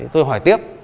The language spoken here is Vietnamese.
tôi hỏi tiếp